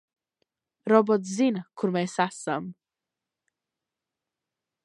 Robots zina, kur mēs esam.